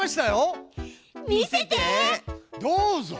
どうぞ！